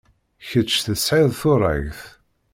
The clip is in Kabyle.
Kečč tesɛid turagt.